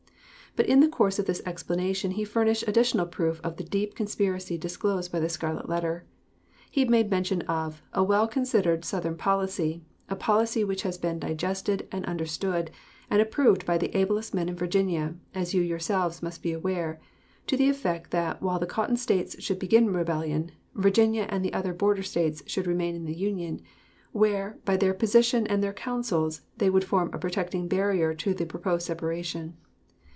But in the course of this explanation he furnished additional proof of the deep conspiracy disclosed by the "Scarlet Letter." He made mention of "A well considered Southern policy, a policy which has been digested, and understood, and approved by the ablest men in Virginia, as you yourselves must be aware," to the effect that while the Cotton States should begin rebellion, "Virginia and the other border States should remain in the Union," where, by their position and their counsels, they would form a protecting barrier to the proposed separation.